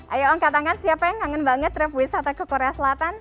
ayo angkat tangan siapa yang kangen banget trip wisata ke korea selatan